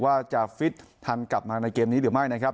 ว่าจะฟิตทันกลับมาในเกมนี้หรือไม่นะครับ